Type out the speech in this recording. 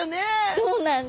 そうなんだ。